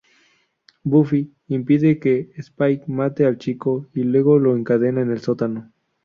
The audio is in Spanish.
Buffy impide que Spike mate al chico, y luego lo encadenan en el sótano.